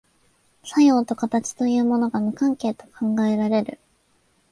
作用と形というものが無関係と考えられる。